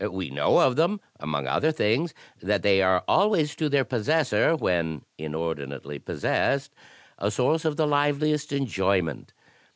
We know of them, among other things, that they are always to their possessor, when DEDUCTION 93 inordinately possessed, a source of the liveliest enjoyment.